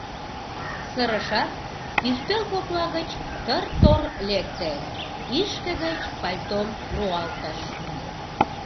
Сырышат, ӱстел кокла гыч тыр-тор лекте, ишке гыч пальтом руалтыш.